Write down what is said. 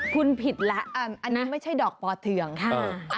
คุณผิดแล้วอันนี้ไม่ใช่ดอกปอเทืองค่ะ